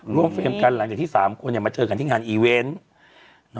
เฟรมกันหลังจากที่๓คนมาเจอกันที่งานอีเวนต์